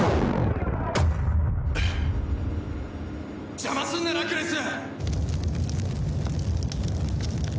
邪魔すんなラクレス！